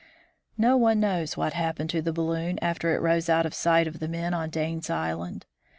No one knows what happened to the balloon after it rose out of. sight of the men on Dane's island.